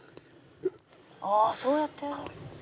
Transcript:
「ああそうやって」